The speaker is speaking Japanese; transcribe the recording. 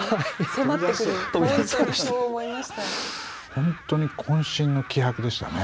本当にこん身の気迫でしたね。